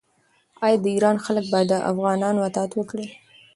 آیا د ایران خلک به د افغانانو اطاعت وکړي؟